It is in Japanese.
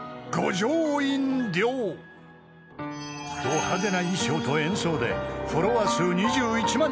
［ド派手な衣装と演奏でフォロワー数２１万